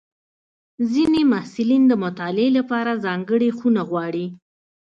ځینې محصلین د مطالعې لپاره ځانګړې خونه غواړي.